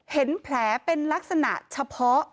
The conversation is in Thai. เห็นแผลเป็นลักษณะเฉพาะ